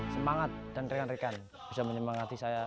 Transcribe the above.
semangat dan rekan rekan bisa menyembang hati saya